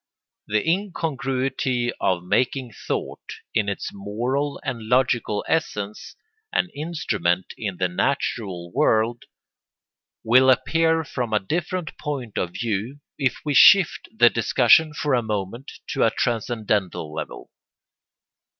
] The incongruity of making thought, in its moral and logical essence, an instrument in the natural world will appear from a different point of view if we shift the discussion for a moment to a transcendental level.